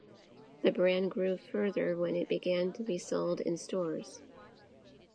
The brand grew further when it began to be sold in stores.